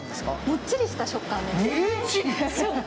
もっちりした食感です。